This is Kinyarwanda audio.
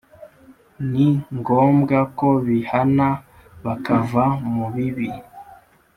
ni ngombwa ko bihana bakava mu bibi